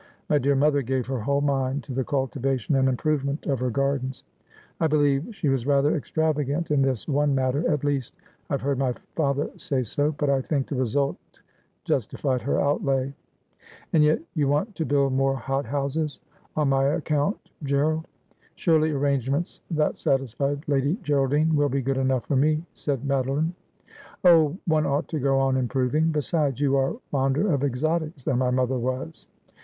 My dear mother gave her whole mind to the cultivation and improvement of her gardens. I believe she was rather extra vagant in this one matter — at least, I have heard my father say so. But I think the result justified her outlay.' ' And yet you want to build more hot houses on my account, 'And Spending Silver had He right Ynow.^ 115 Gerald. Surely arrangements that satisfied Lady Geraldine will be good enough for me,' said Madeline. ' Oh, one ought to go on improving. Besides, you are fonder of exotics than my mother was.